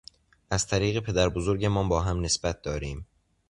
از طریق پدر بزرگمان با هم نسبت داریم.